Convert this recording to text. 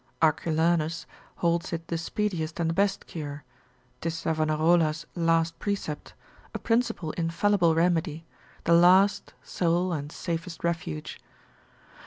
Arculanus holds it the speediest and the best cure, 'tis Savanarola's last precept, a principal infallible remedy, the last, sole, and safest refuge.